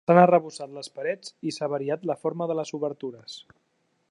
S'han arrebossat les parets i s'ha variat la forma de les obertures.